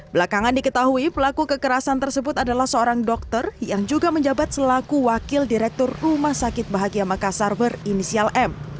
belakangan diketahui pelaku kekerasan tersebut adalah seorang dokter yang juga menjabat selaku wakil direktur rumah sakit bahagia makassar berinisial m